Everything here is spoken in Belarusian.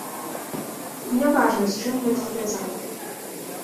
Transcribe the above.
І не важна, з чым гэта звязана.